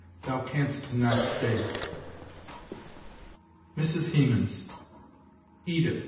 thou canst not stay." Mrs. Hemans, "Edith.